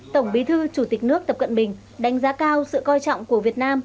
tổng bí thư chủ tịch nước tập cận bình đánh giá cao sự coi trọng của việt nam